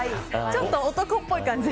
ちょっと男っぽい感じ。